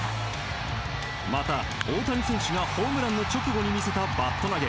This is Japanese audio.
また、大谷選手がホームラン直後に見せたバット投げ